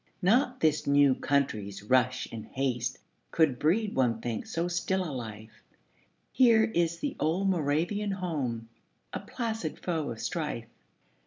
Not this new country's rush and haste Could breed, one thinks, so still a life; Here is the old Moravian home, A placid foe of strife.